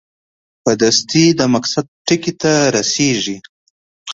په دستي د مقصد ټکي ته رسېږي.